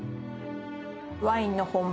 ワインの本場